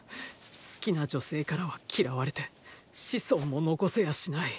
好きな女性からは嫌われて子孫も残せやしない。